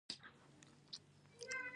زه له حسده ځان ساتم.